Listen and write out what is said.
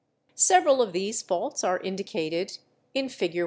_ Several of these faults are indicated in Fig.